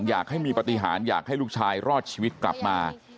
อยากให้มีปฏิหารอยากให้ลูกชายรอดชีวิตกลับมา